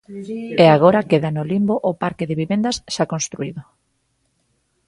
E agora queda no limbo o parque de vivendas xa construído.